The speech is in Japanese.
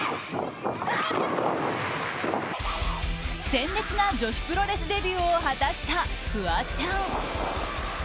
鮮烈な女子プロレスデビューを果たしたフワちゃん。